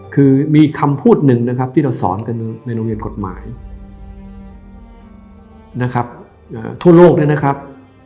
คือมีคำพูดหนึ่งนะครับที่เราสอนกันในโรงเรียนกฎหมายนะครับทั่วโลกด้วยนะครับ